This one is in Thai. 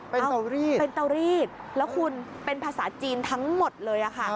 เป็นเตารีดเป็นเตารีดแล้วคุณเป็นภาษาจีนทั้งหมดเลยค่ะ